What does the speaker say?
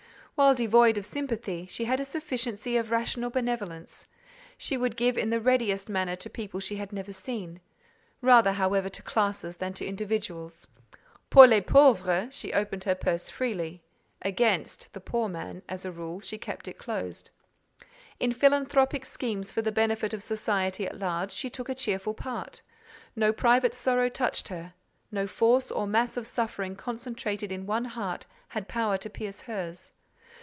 While devoid of sympathy, she had a sufficiency of rational benevolence: she would give in the readiest manner to people she had never seen—rather, however, to classes than to individuals. "Pour les pauvres," she opened her purse freely—against the poor man, as a rule, she kept it closed. In philanthropic schemes for the benefit of society at large she took a cheerful part; no private sorrow touched her: no force or mass of suffering concentrated in one heart had power to pierce hers.